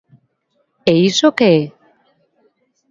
¿E iso que é?